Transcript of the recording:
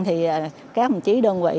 thì cán bộ chiến sĩ đơn vị